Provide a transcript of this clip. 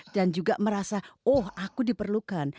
dan juga merasa oh aku diperlukan